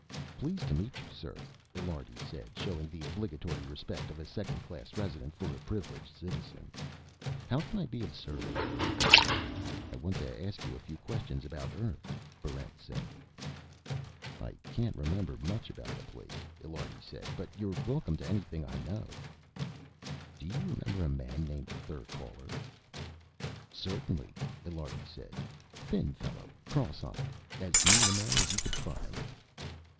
"Pleased to meet you, sir," Illiardi said, showing the obligatory respect of a Second Class Resident for a Privileged Citizen. "How can I be of service?" "I want to ask you a few questions about Earth," Barrent said. "I can't remember much about the place," Illiardi said. "But you're welcome to anything I know." "Do you remember a man named Therkaler?" "Certainly," Illiardi said. "Thin fellow. Cross eyed. As mean a man as you could find."